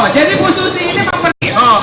jadi bu susi ini